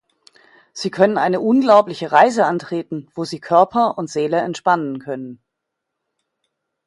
Sie können eine unglaubliche Reise antreten, wo Sie Körper und Seele entspannen können.